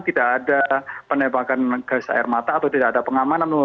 tidak ada penembakan gas air mata atau tidak ada pengamanan